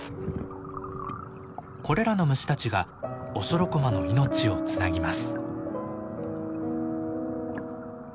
これらの虫たちがオショロコマの命をつなぎます。